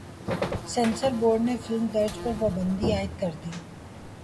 censor board نے film درج پر پابندی عائد کر دی